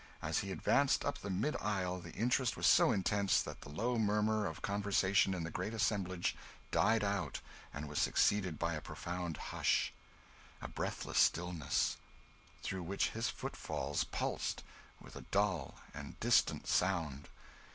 As he advanced up the mid aisle the interest was so intense that the low murmur of conversation in the great assemblage died out and was succeeded by a profound hush, a breathless stillness, through which his footfalls pulsed with a dull and distant sound.